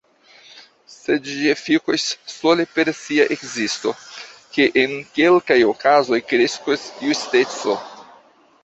Sed ĝi efikos, sole per sia ekzisto, ke en kelkaj okazoj kreskos justeco.